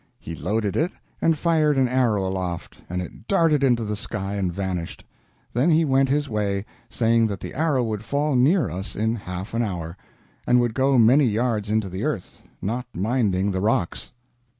He loaded it and fired an arrow aloft, and it darted into the sky and vanished. Then he went his way, saying that the arrow would fall near us in half an hour, and would go many yards into the earth, not minding the rocks.